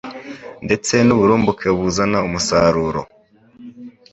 ndetse n'uburumbuke buzana umusaruro.